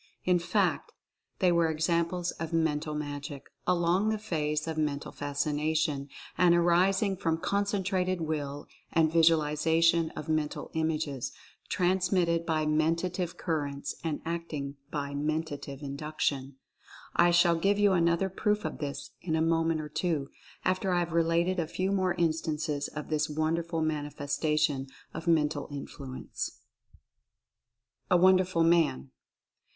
In fact, they were examples of Mental Magic, along the phase of Mental Fascination, and arising from Concentrated Will, and Visualization of Mental Images, transmitted by Mentative Currents, and acting by Mentative Induction. I shall give you another proof of this in a moment or two, after I have related a few more instances of this wonderful mani festation of Mental Influence. A WONDERFUL MAN.